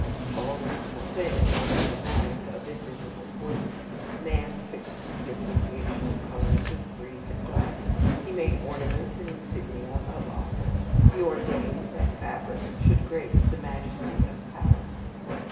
All visible things are emblematic of invisible forces. Man fixed the association of colours with grief and gladness, he made ornaments the insignia of office, he ordained that fabric should grace the majesty of power.